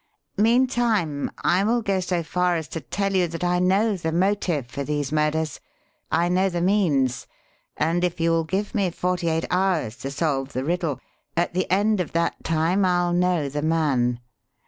Meantime, I will go so far as to tell you that I know the motive for these murders, I know the means, and if you will give me forty eight hours to solve the riddle, at the end of that time I'll know the man.